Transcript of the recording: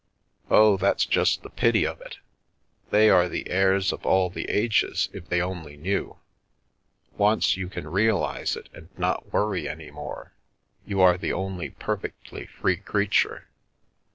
" Oh, that's just the pity of it. They are the heirs of all the ages, if they only knew. Once you can realise it and not worry any more, you are the only perfectly free creature.